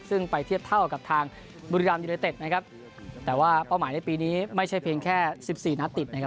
ซึ่งไปเทียบเท่ากับทางบุรีรามยูเนเต็ดนะครับแต่ว่าเป้าหมายในปีนี้ไม่ใช่เพียงแค่สิบสี่นัดติดนะครับ